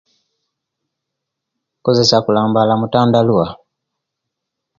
Nkozesia kulambala mutandaluwa